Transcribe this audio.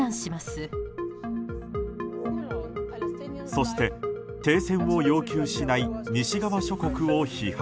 そして、停戦を要求しない西側諸国を批判。